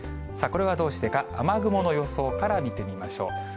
これはどうしてか、雨雲の予想から見てみましょう。